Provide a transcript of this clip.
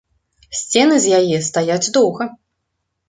Сцены з яе стаяць доўга.